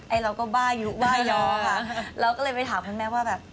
เราก็บ้ายุบ้าย้อค่ะเราก็เลยไปถามคุณแม่ว่าแบบ